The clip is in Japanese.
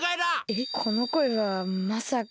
えっこのこえはまさか。